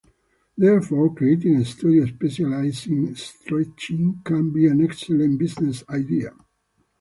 Therefore, creating a studio specialized in stretching can be an excellent business idea.